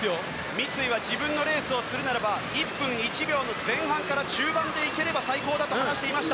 三井は自分のレースをするならば１分１秒の前半から中盤で行ければ最高だと話していました。